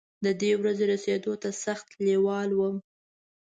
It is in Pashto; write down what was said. د دې ورځې رسېدو ته سخت لېوال وم.